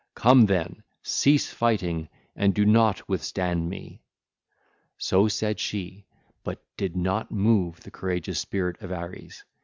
Come, then, cease fighting and do not withstand me.' (ll. 450 466) So said she, but did not move the courageous spirit of Ares.